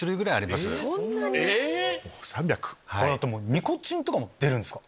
ニコチンとかも出るんですか。